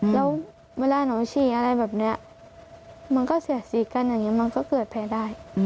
แล้วเวลาน้วงชี่อะไรแบบเนี่ยมันก็เสียสีอะไรอย่านี้มันก็ขึ้นแผลได้